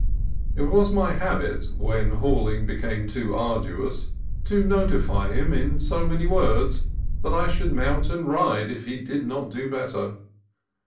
It was my habit, when the hauling be came too arduous, to notify him in so many words that I should mount and ride if he did not do better.